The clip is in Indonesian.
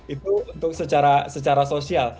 itu untuk secara sosial